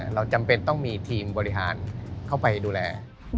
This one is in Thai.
เราจำเป็นต้องมีทีมบริหารเข้าไปดูแล